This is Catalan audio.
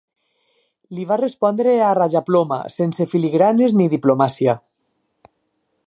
Li va respondre a rajaploma, sense filigranes ni diplomàcia.